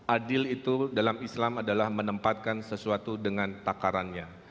adil itu dalam islam adalah menempatkan sesuatu dengan takarannya